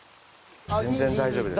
全然大丈夫です。